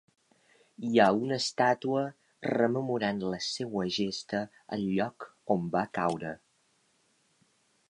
Hi ha una estàtua rememorant la seua gesta al lloc on va caure.